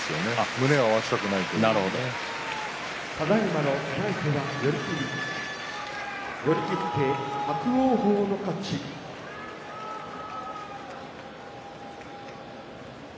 胸を合わせたくないということですね。